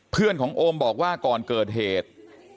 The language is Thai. เพื่อนของโอมบอกว่าก่อนเกิดเหตุ